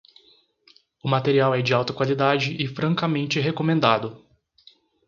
O material é de alta qualidade e francamente recomendado.